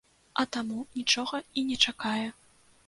А таму нічога і не чакае.